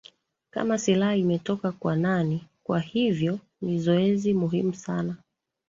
kama silaha imetoka kwa nani kwa hivyo ni zoezi muhimu sana